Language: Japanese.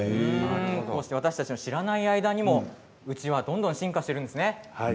私たちの知らない間にもうちわがどんどん進化しているんですね。